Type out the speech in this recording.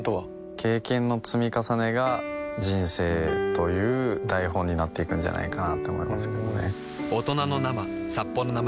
経験の積み重ねが人生という台本になっていくんじゃないかなと思いますけどね